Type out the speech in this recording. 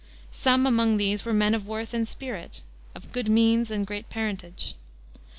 Some among these were men of worth and spirit, "of good means and great parentage."